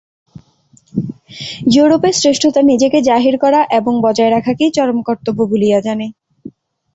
য়ুরোপের শ্রেষ্ঠতা নিজেকে জাহির করা এবং বজায় রাখাকেই চরম কর্তব্য বলিয়া জানে।